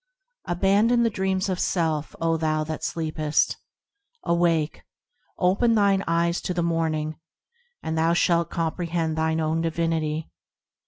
Abandon the dreams of self, O thou that sleepest ! Awake ! open thine eyes to the Morning, And thou shalt comprehend thine own divinity.